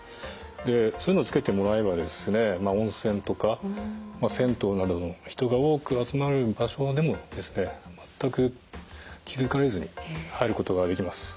そういうのを付けてもらえば温泉とか銭湯などの人が多く集まる場所でも全く気付かれずに入ることができます。